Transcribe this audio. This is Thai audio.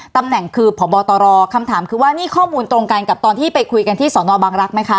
ตำแหน่งคือพบตรคำถามคือว่านี่ข้อมูลตรงกันกับตอนที่ไปคุยกันที่สอนอบังรักษ์ไหมคะ